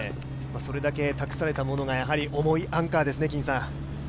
それだけ託されたものが重いアンカーですね。